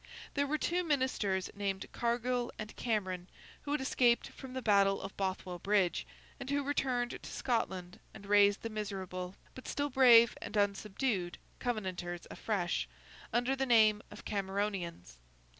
There were two ministers named Cargill and Cameron who had escaped from the battle of Bothwell Bridge, and who returned to Scotland, and raised the miserable but still brave and unsubdued Covenanters afresh, under the name of Cameronians.